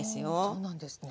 そうなんですね。